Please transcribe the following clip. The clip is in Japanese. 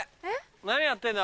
何やってんだ？